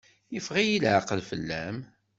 Yeffeɣ-iyi leɛqel fell-am.